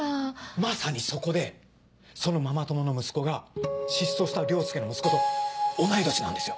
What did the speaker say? まさにそこでそのママ友の息子が失踪した凌介の息子と同い年なんですよ。